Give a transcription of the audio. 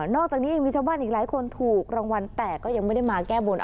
อกจากนี้ยังมีชาวบ้านอีกหลายคนถูกรางวัลแต่ก็ยังไม่ได้มาแก้บน